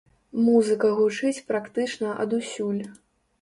Музыка гучыць практычна адусюль.